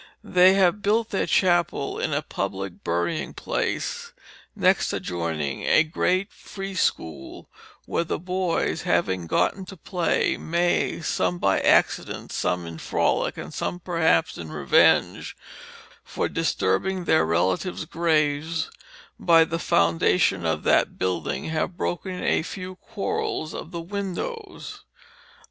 They have built their Chapel in a Publick burying place, next adjoining a great Free School, where the Boyes (having gotten to play) may, some by Accident, some in Frolick, and some perhaps in Revenge for disturbing their Relatives' Graves by the Foundation of that Building, have broken a few Quarels of the Windows."